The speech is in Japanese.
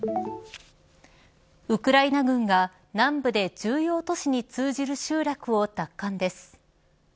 ウクライナ軍が南部で重要都市に通じる集落を奪還です。